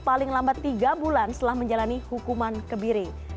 paling lambat tiga bulan setelah menjalani hukuman kebiri